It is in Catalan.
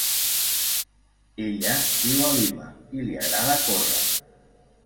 Ella viu a Lima i li agrada córrer.